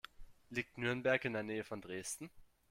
Liegt Nürnberg in der Nähe von Dresden?